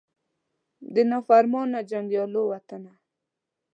د نافرمانه جنګیالو وطنه